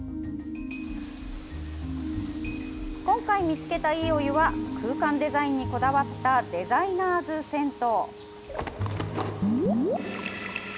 今回見つけた、いいお湯は空間デザインにこだわったデザイナーズ銭湯。